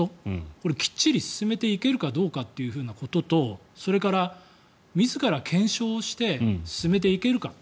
これ、きっちり進めていけるかどうかということとそれから自ら検証して進めていけるか。